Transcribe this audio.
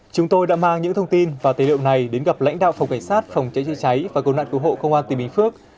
chúng tôi đã mang những thông tin và tài liệu này đến gặp lãnh đạo phòng cảnh sát phòng cháy chữa cháy và cầu nạn cứu hộ công an tỉnh bình phước